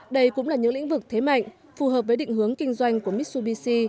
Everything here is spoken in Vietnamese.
đây cũng là những lĩnh vực thế mạnh phù hợp với định hướng kinh doanh của mitsubishi